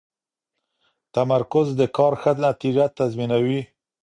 تمرکز د کار ښه نتیجه تضمینوي.